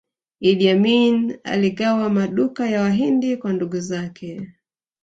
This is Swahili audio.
iddi amini aligawa maduka ya wahindi kwa ndugu zake